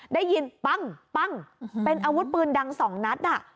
ได้ยินปั้งปั้งเป็นอาวุธปืนดังสองนัดอ่ะ